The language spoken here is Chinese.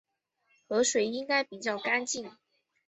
河水应该比较干净